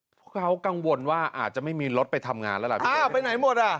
พวกเขากังวลว่าอาจจะไม่มีรถไปทำงานแล้วล่ะครับอ่าไปไหนหมดอ่ะ